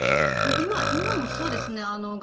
今もそうですね。